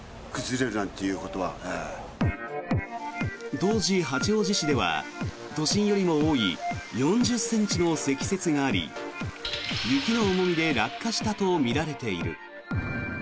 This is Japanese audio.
当時、八王子市では都心よりも多い４０ｃｍの積雪があり雪の重みで落下したとみられている。